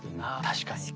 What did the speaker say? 確かに。